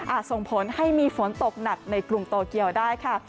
ส่งผลให้มีฝนตกหนักในกรุงโตเกียวได้ค่ะ